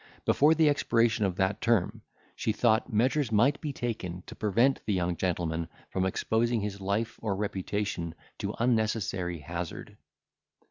Before the expiration of that term, she thought measures might be taken to prevent the young gentleman from exposing his life or reputation to unnecessary hazard.